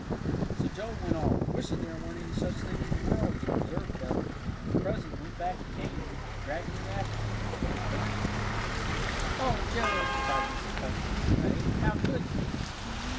So Joel went off, wishing there weren't any such things in the world as preserve kettles, and presently, back he came, dragging it after him "bump bump." "Oh, Joe," cried Mrs. Pepper, in dismay, "how could you!"